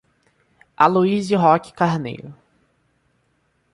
Aloizio Roque Carneiro